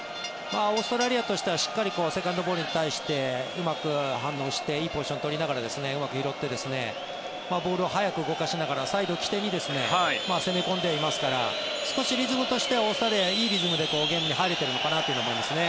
オーストラリアとしてはしっかりとセカンドボールに対してうまく反応していいポジションを取ってうまく拾ってボールを早く動かしながらサイドを起点に攻め込んでいますから少しリズムとしてはオーストラリアいいリズムでゲームに入れているのかなと思いますね。